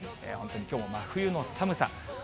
本当にきょうも真冬の寒さ。